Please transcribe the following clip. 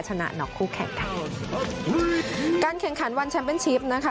ชนะหนอกคู่แขกไทยการแข่งขันวันแชมเป็นชิปนะคะ